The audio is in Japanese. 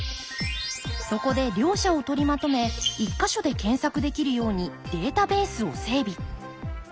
そこで両者を取りまとめ１か所で検索できるようにデータベースを整備。